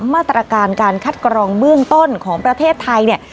มาตรการการคัดกรองเบื้องต้นของประเทศไทยเนี่ย